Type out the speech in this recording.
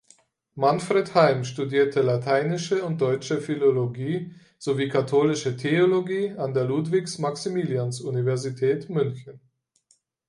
Manfred Heim studierte Lateinische und Deutsche Philologie sowie katholische Theologie an der Ludwig-Maximilians-Universität München.